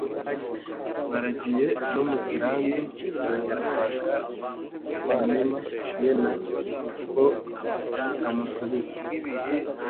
baragiye no mu kirambi yongera kwaka a inkima ye na ko kamusubiza